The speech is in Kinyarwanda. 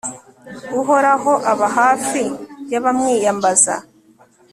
uhoraho aba hafi y'abamwiyambaza